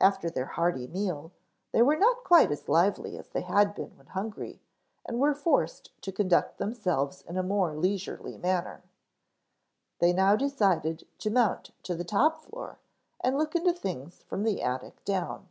After their hearty meal they were not quite as lively as they had been when hungry and were forced to conduct themselves in a more leisurely manner. They now decided to mount to the top floor and look into things from the attic down.